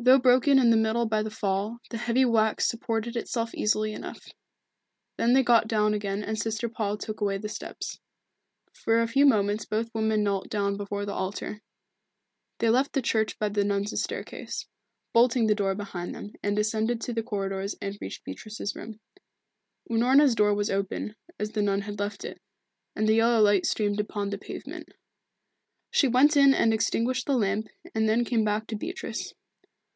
Though broken in the middle by the fall, the heavy wax supported itself easily enough. Then they got down again and Sister Paul took away the steps. For a few moments both women knelt down before the altar. They left the church by the nuns' staircase, bolting the door behind them, and ascended to the corridors and reached Beatrice's room. Unorna's door was open, as the nun had left it, and the yellow light streamed upon the pavement. She went in and extinguished the lamp, and then came back to Beatrice.